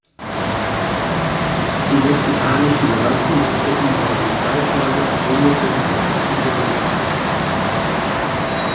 Die mexikanischen Besatzungstruppen waren zeitweise Verbündete der "Partido Liberal".